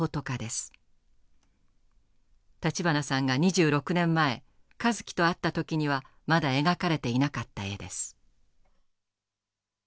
立花さんが２６年前香月と会った時にはまだ描かれていなかった絵です。